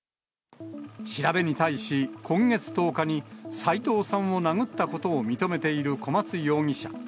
調べに対し、今月１０日に、斎藤さんを殴ったことを認めている小松容疑者。